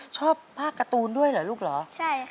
ชอบผ้าการ์ตูนด้วยเหรอลูกเหรอใช่ค่ะ